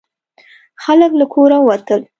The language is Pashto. خلک له کوره ووتل.